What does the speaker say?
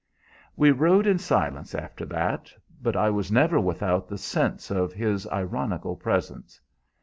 "We rode in silence after that, but I was never without the sense of his ironical presence.